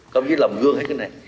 có nghĩa là làm gương hết cái này